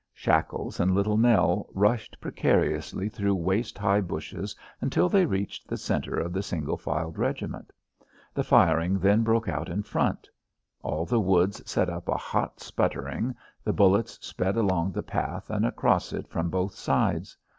Shackles and Little Nell rushed precariously through waist high bushes until they reached the centre of the single filed regiment. The firing then broke out in front. All the woods set up a hot sputtering; the bullets sped along the path and across it from both sides.